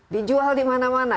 dijual di mana mana